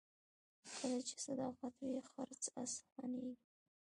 کله چې صداقت وي، خرڅ اسانېږي.